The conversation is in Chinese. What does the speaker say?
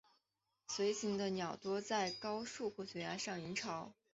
隼形目的鸟多在高树或悬崖上营巢。